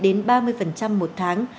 đến ba mươi một tháng